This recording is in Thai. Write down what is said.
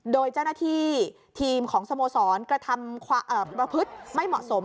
โดยเจ้าหน้าที่ทีมของสโมสรกระทำประพฤติไม่เหมาะสม